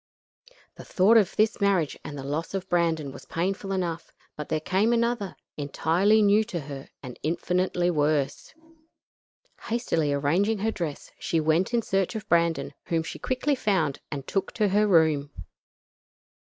The thought of this marriage and of the loss of Brandon was painful enough, but there came another, entirely new to her and infinitely worse. Hastily arranging her dress, she went in search of Brandon, whom she quickly found and took to her room.